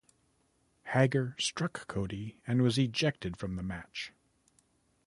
Hager struck Cody and was ejected from the match.